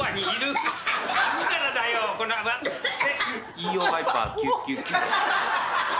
飯尾ワイパーキュッキュッキュッ。